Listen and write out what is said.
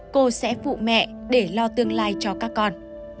cô sẽ phụ mẹ để lo tương lai cho các con